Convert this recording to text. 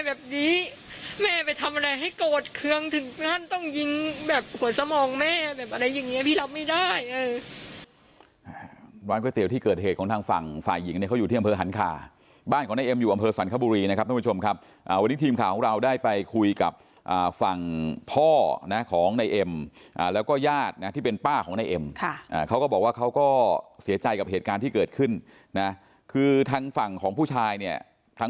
แบบหัวสมองแม่แบบอะไรอย่างเงี้ยพี่รับไม่ได้เออวานก๋วยเตี๋ยวที่เกิดเหตุของทางฝั่งฝ่ายหญิงเนี้ยเขาอยู่ที่อำเภอหันคาบ้านของนายเอ็มอยู่อำเภอสวรรคบุรีนะครับทุกคนผู้ชมครับอ่าวันนี้ทีมข่าวของเราได้ไปคุยกับอ่าฝั่งพ่อนะของนายเอ็มอ่าแล้วก็ญาตินะที่เป็นป้าของนายเอ็มค่ะอ่า